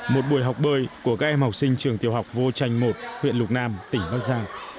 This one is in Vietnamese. một buổi học bơi của các em học sinh trường tiểu học vô tranh một huyện lục nam tỉnh bắc giang